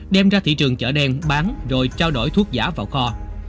đem ra thị trường chợ đen bán rồi trao đổi thuốc giả vào kho